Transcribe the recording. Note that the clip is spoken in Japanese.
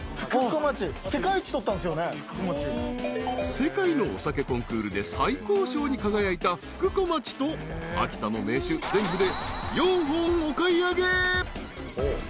［世界のお酒コンクールで最高賞に輝いた福小町と秋田の銘酒全部で４本お買い上げ］